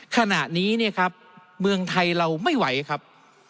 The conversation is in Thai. ขณะนี้เนี่ยครับเมืองไทยเราไม่ไหวครับ